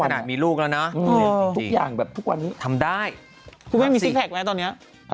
ขนาดมีลูกแล้วนะทุกอย่างแบบทุกวันนี้ทำได้แต่ไม่ซึ่งแบบมาตัวเนี่ย